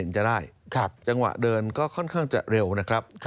จะได้จังหวะเดินก็ค่อนข้างจะเร็วนะครับ